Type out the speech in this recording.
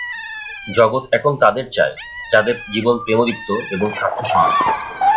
জগৎ এখন তাঁদের চায়, যাঁদের জীবন প্রেমদীপ্ত এবং স্বার্থশূন্য।